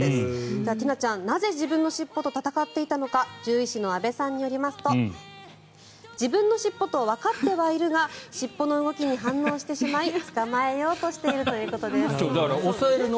では、ティナちゃんなぜ自分の尻尾と戦っていたのか獣医師の阿部さんによりますと自分の尻尾とわかってはいるが尻尾の動きに反応してしまい捕まえようとしているということです。